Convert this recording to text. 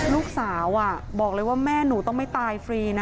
ลูกสาวบอกเลยว่าแม่หนูต้องไม่ตายฟรีนะ